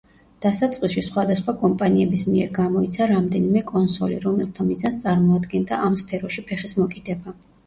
დასაწყისში სხვადასხვა კომპანიების მიერ გამოიცა რამდენიმე კონსოლი, რომელთა მიზანს წარმოადგენდა ამ სფეროში ფეხის მოკიდება.